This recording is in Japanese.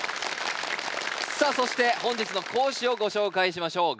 さあそして本日の講師をご紹介しましょう。